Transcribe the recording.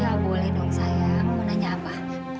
ya boleh dong sayang mau tanya apa